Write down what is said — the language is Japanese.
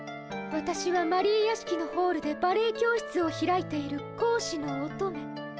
わたしはマリー屋敷のホールでバレエ教室を開いているこうしの乙女。